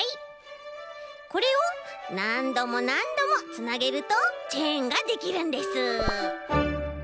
これをなんどもなんどもつなげるとチェーンができるんです。